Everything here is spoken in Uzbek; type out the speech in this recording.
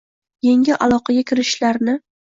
yengil aloqaga kirishishlarini